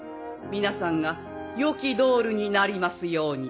皆さんが良きドールになりますように。